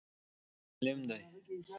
ډېر ظالم دی